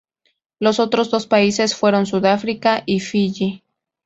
Los otros dos países fueron Sudáfrica y Fiyi.